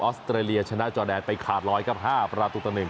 ออสเตรเลียชนะจอแดนไปขาดร้อยครับห้าประตูตั้งหนึ่ง